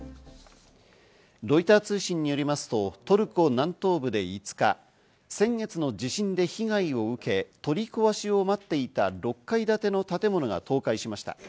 ロイター通信によりますとトルコ南東部で５日、先月の地震で被害を受け、取り壊しを待っていた６階建ての建物が倒壊しました。